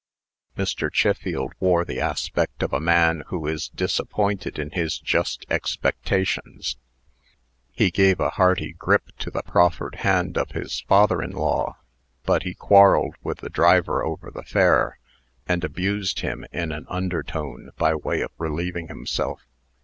Mr. Chiffield wore the aspect of a man who is disappointed in his just expectations. He gave a hearty grip to the proffered hand of his father in law, but he quarrelled with the driver over the fare, and abused him in an under tone, by way of relieving himself.